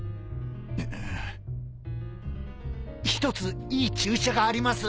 １ついい注射があります。